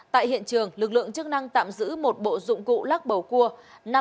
tại hiện trường lực lượng chức năng tạm giữ một bộ dụng cụ lắc bầu cua